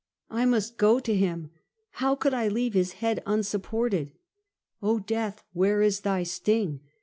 I must go to him! how could I leave this head unsupported? Oh, death where is thy sting?